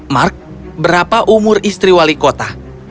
mark berapa umur istri wali kota